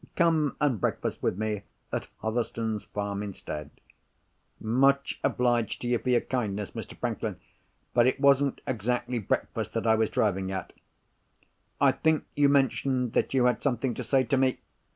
"Come and breakfast with me at Hotherstone's Farm, instead." "Much obliged to you for your kindness, Mr. Franklin. But it wasn't exactly breakfast that I was driving at. I think you mentioned that you had something to say to me?